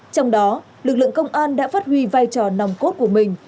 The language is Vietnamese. trong đó lực lượng công an đã phát huy vai trò nòng cốt của mình